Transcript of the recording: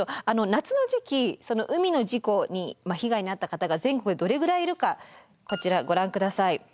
夏の時期海の事故に被害に遭った方が全国でどれぐらいいるかこちらご覧ください。